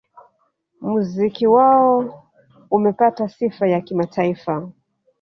Muziki wao umepata sifa ya kimataifa